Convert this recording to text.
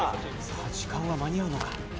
さあ時間は間に合うのか？